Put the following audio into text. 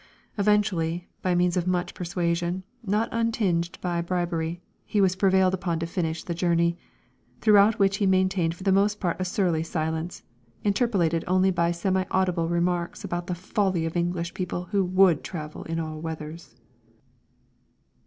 Eventually, by means of much persuasion, not untinged by bribery, he was prevailed upon to finish the journey, throughout which he maintained for the most part a surly silence, interpolated only by semi audible remarks about the folly of English people who would travel in all weathers.